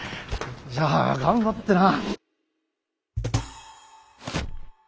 じゃあ頑張ってな。